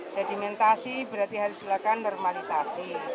sedimentasi berarti harus dilakukan normalisasi